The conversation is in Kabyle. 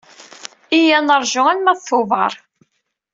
Iyya ad neṛju arma d Tubeṛ.